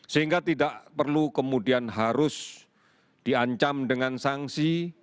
sehingga tidak perlu kemudian harus diancam dengan sanksi